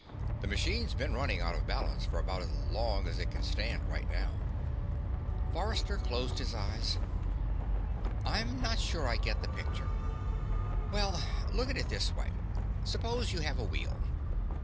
The machine's been running out of balance for about as long as it can stand right now." Forrester closed his eyes. "I'm not sure I get the picture." "Well, look at it this way: suppose you have a wheel."